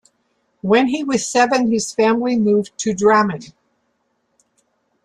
When he was seven, his family moved to Drammen.